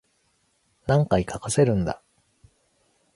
何回かかせるんだ